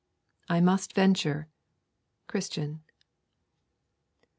'I must venture.' Christian.